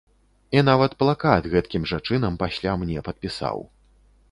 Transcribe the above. І нават плакат гэткім жа чынам пасля мне падпісаў.